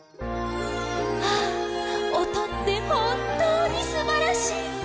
あおとってほんとうにすばらしい！